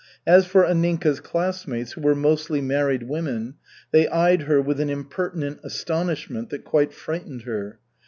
As for Anninka's classmates, who were mostly married women, they eyed her with an impertinent astonishment that quite frightened her.